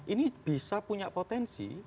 ini bisa punya potensi